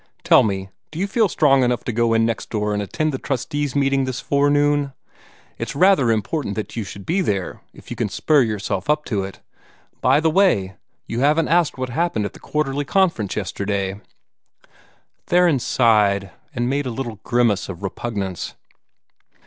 Tell me, do you feel strong enough to go in next door and attend the trustees' meeting this forenoon? It's rather important that you should be there, if you can spur yourself up to it. By the way, you haven't asked what happened at the Quarterly Conference yesterday." Theron sighed, and made a little grimace of repugnance.